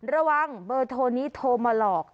ระวังเบอร์โทรนี้โทรมาหลอก